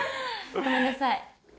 ごめんなさい。